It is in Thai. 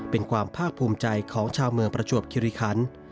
เป็นความภาคภูมิใจของชาวเมืองประจวบคิริคัน